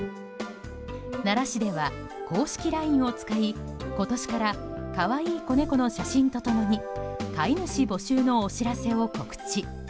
奈良市では公式ＬＩＮＥを使い今年から可愛い子猫の写真と共に飼い主募集のお知らせを告知。